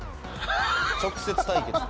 「直接対決」